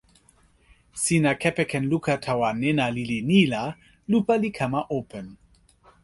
sina kepeken luka tawa nena lili ni la lupa li kama open.